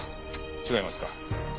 違いますか？